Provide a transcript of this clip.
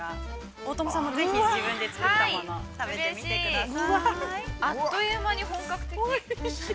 ◆大友さんも、ぜひ、自分で作ったものを食べてみてください。